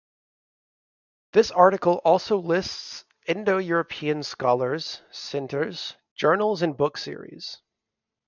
This article also lists Indo-European scholars, centres, journals and book series.